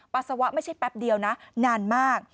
ปัสสาวะไม่ใช่แป๊บเดียวนะนานมาก